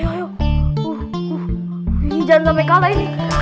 dikit lagi dikit lagi